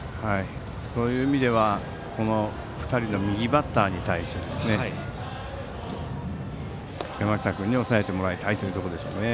そういう意味ではまず２人の右バッターを山下君に抑えてもらいたいところですね。